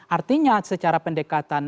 artinya secara pendekatannya